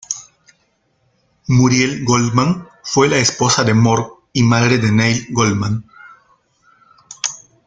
Muriel Goldman fue la esposa de Mort y madre de Neil Goldman.